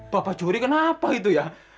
bapak juri kenapa itu ya